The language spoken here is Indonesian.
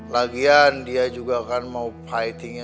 lagian dia juga akan mau fighting nya